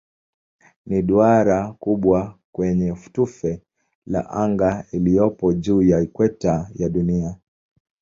Ni duara kubwa kwenye tufe la anga iliyopo juu ya ikweta ya Dunia.